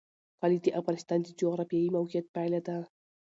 کلي د افغانستان د جغرافیایي موقیعت پایله ده.